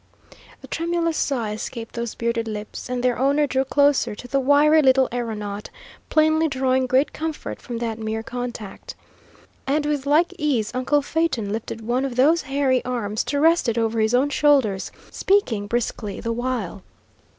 A tremulous sigh escaped those bearded lips, and their owner drew closer to the wiry little aeronaut, plainly drawing great comfort from that mere contact. And with like ease uncle Phaeton lifted one of those hairy arms to rest it over his own shoulders, speaking briskly the while.